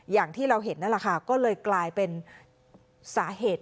อย่างที่เราเห็นนั่นแหละค่ะก็เลยกลายเป็นสาเหตุ